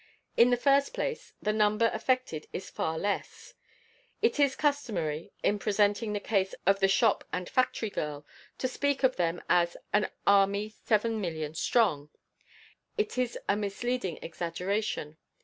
In the first place, the number affected is far less. It is customary, in presenting the case of the shop and factory girl, to speak of them as "an army 7,000,000 strong." It is a misleading exaggeration.